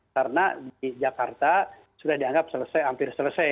karena di jakarta sudah dianggap selesai hampir selesai